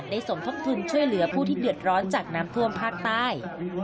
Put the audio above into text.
สมทบทุนช่วยเหลือผู้ที่เดือดร้อนจากน้ำท่วมภาคใต้